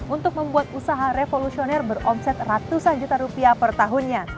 untuk membuat usaha revolusioner beromset ratusan juta rupiah per tahunnya